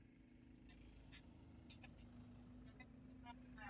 na serikali yake kwa kazi nzuri ambayo wameifanya